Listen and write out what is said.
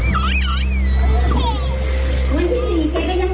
น้องสบายดีเดี๋ยวนี้น้องไปโรงเรียนแล้ว